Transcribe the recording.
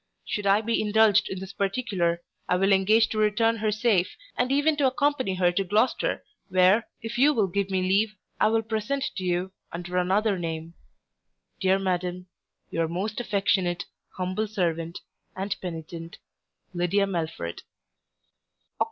Should I be indulged in this particular, I will engage to return her safe, and even to accompany her to Gloucester, where, if you will give me leave, I will present to you, under another name, Dear Madam, Your most affectionate Humble servant, And penitent, LYDIA MELFORD Oct.